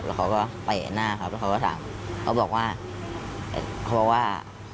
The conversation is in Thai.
แล้วเขาก็เตะหน้าเขาแล้วเขาก็ถามเขาบอกว่าเขาบอกว่า